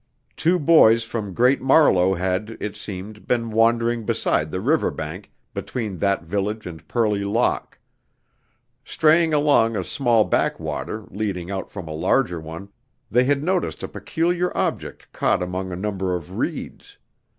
Two boys from Great Marlow had, it seemed, been wandering beside the river bank, between that village and Purley Lock. Straying along a small backwater, leading out from a larger one, they had noticed a peculiar object caught among a number of reeds.